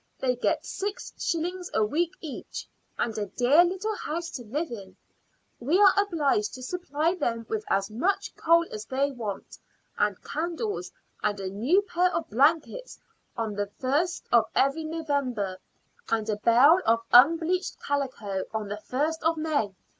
They get six shillings a week each, and a dear little house to live in. We are obliged to supply them with as much coal as they want, and candles, and a new pair of blankets on the first of every November, and a bale of unbleached calico on the first of May.